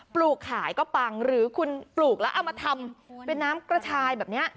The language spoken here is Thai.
ลูกขายก็ปังหรือคุณปลูกแล้วเอามาทำเป็นน้ำกระชายแบบนี้